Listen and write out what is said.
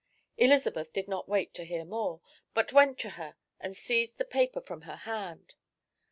Elizabeth did not wait to hear more, but went to her and seized the paper from her hand.